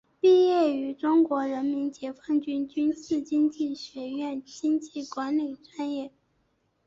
毕业于中国人民解放军军事经济学院经济管理专业。